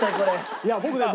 いや僕ね